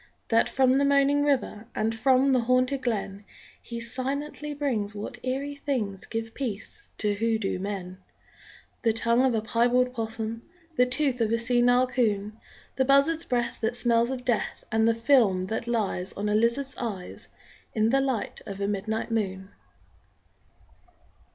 That from the moaning river And from the haunted glen He silently brings what eerie things Give peace to hoodooed men: _The tongue of a piebald 'possum, The tooth of a senile 'coon, The buzzard's breath that smells of death, And the film that lies On a lizard's eyes In the light of a midnight moon!